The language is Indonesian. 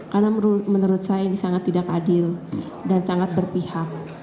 karena menurut saya ini sangat tidak adil dan sangat berpihak